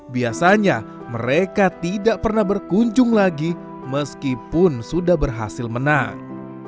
biasanya mereka tidak pernah berkunjung lagi meskipun sudah berhasil menang